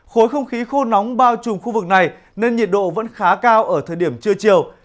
khối không khí khô nóng bao trùm khu vực này nên nhiệt độ vẫn khá cao ở thời điểm trưa chiều